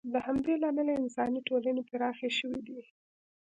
د همدې له امله انساني ټولنې پراخې شوې دي.